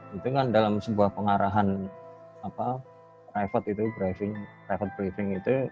itu kan dalam sebuah pengarahan private briefing